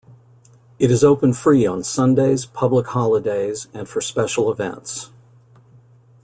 It is open free on Sundays, Public Holidays and for special events.